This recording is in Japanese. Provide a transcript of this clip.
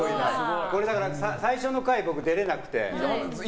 最初の回、僕は出れなくて。